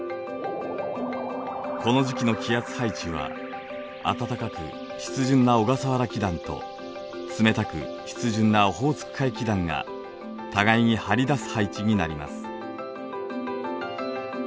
この時期の気圧配置は暖かく湿潤な小笠原気団と冷たく湿潤なオホーツク海気団が互いに張り出す配置になります。